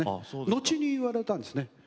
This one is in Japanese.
後に言われたんですね。